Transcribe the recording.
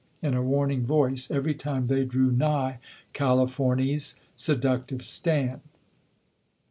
in a warning voice, every time they drew nigh Californy's seductive stand.